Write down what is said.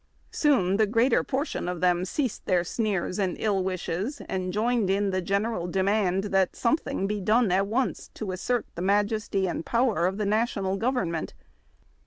Soon the greater por tion of them ceased their sneers and ill wishes, and joined in the general demand that something be done at once to assert the majesty and power of tlie national government.